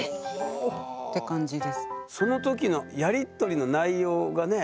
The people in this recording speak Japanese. その時のやり取りの内容がね。